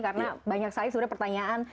karena banyak sekali pertanyaan